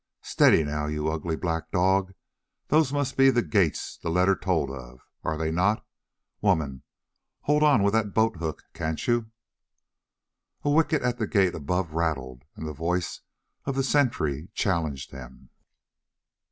Steady now, you ugly black dog; those must be the gates the letter told of—are they not, woman? Hold on with the boat hook, can't you?" A wicket at the gate above rattled and the voice of the sentry challenged them.